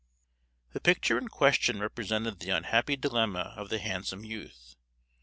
The picture in question represented the unhappy dilemma of the handsome youth.